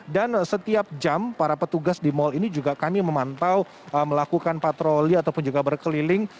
dan setiap jam para petugas di mal ini juga kami memantau melakukan patroli ataupun juga berkeliling